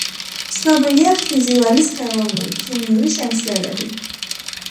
ცნობილია ხიზილალის ხელოვნური, „ქიმიური“ შემცვლელები.